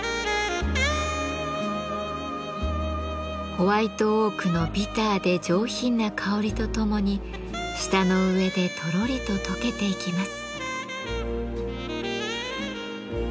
ホワイトオークのビターで上品な香りとともに舌の上でトロリと溶けていきます。